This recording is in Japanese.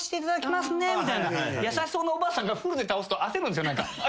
優しそうなおばあさんがフルで倒すと焦るんですよ。